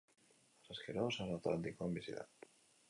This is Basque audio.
Harrezkero, Ozeano Atlantikoan bizi da.